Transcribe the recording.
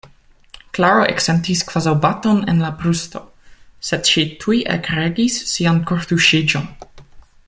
Klaro eksentis kvazaŭ baton en la brusto, sed ŝi tuj ekregis sian kortuŝiĝon.